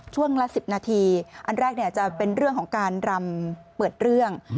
ละ๑๐นาทีอันแรกจะเป็นเรื่องของการรำเปิดเรื่อง